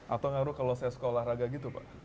atau ngaruh kalau saya suka olahraga gitu pak